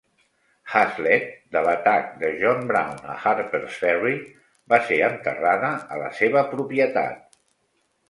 Hazlett, de l"atac de John Brown a Harpers Ferry, va ser enterrada a la seva propietat.